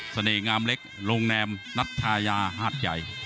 เสน่ห์งามเล็กร่วงแรมนัชธาณาหาดใหญ่